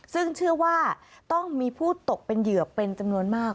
ซึ่งเชื่อว่าต้องมีผู้ตกเป็นเหยื่อเป็นจำนวนมาก